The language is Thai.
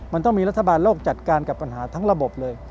มันต้องมีรัฐบาลโลกจัดการกับปัญหาทั้งระบบเลย